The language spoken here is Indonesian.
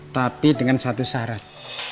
tapi dengan satu syarat